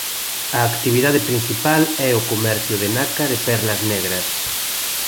A actividade principal é o comercio de nácar e perlas negras.